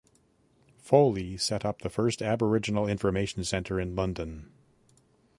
Foley set up the first Aboriginal Information Centre in London.